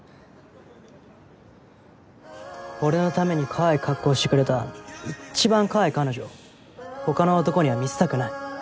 俺のためにかわいい格好してくれた一番かわいい彼女を他の男には見せたくない。